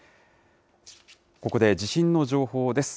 ここで地震の情報です。